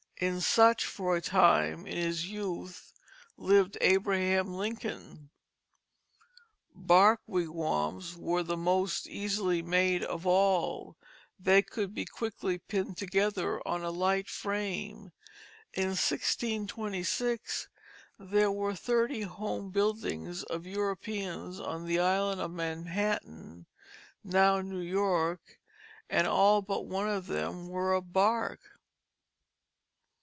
In such for a time, in his youth, lived Abraham Lincoln. Bark wigwams were the most easily made of all; they could be quickly pinned together on a light frame. In 1626 there were thirty home buildings of Europeans on the island of Manhattan, now New York, and all but one of them were of bark.